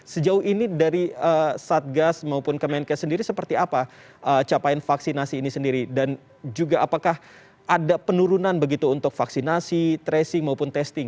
sejauh ini dari satgas maupun kemenkes sendiri seperti apa capaian vaksinasi ini sendiri dan juga apakah ada penurunan begitu untuk vaksinasi tracing maupun testing